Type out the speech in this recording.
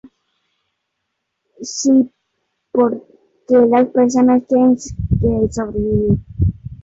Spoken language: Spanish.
Algunos genes solo expresan un fenotipo dado bajo ciertas condiciones ambientales.